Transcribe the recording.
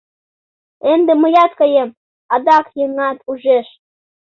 Ынде мыят каем... адак еҥат ужеш...